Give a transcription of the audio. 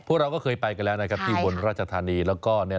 พวกเราก็เคยไปกันแล้วนะครับที่อุบลราชธานี